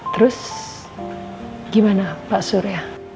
terus gimana pak surya